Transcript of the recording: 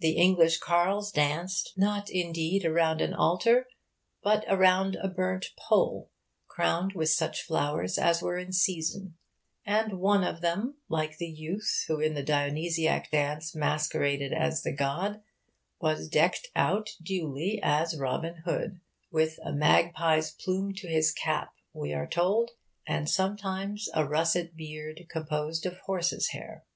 The English carles danced, not indeed around an altar, but around a bunt pole crowned with such flowers as were in season; and one of them, like the youth who in the Dionysiac dance masqueraded as the god, was decked out duly as Robin Hood 'with a magpye's plume to hys capp,' we are told, and sometimes 'a russat bearde compos'd of horses hair.'